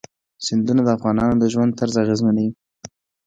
سیندونه د افغانانو د ژوند طرز اغېزمنوي.